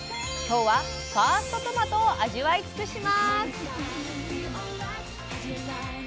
今日はファーストトマトを味わい尽くします。